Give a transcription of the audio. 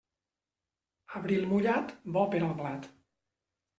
Abril mullat, bo pel blat.